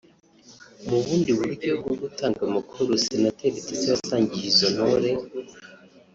Mu bundi buryo bwo gutanga amakuru Senateri Tito yasangije izi ntore